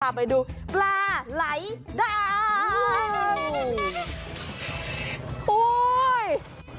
เราไปดูปลาไหลดาง